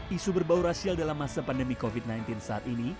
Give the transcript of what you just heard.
isu berbau rasial dalam masa pandemi covid sembilan belas saat ini